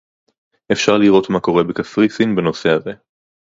אפשר לראות מה קורה בקפריסין בנושא הזה